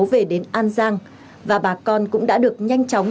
về đến an giang và bà con cũng đã được nhanh chóng